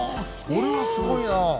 それはすごいな。